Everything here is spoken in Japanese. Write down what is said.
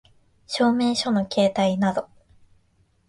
証明書の携帯等